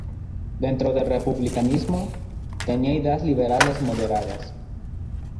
Dentro del republicanismo tenía ideas liberales moderadas.